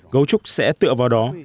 gấu trúc sẽ tựa vào đó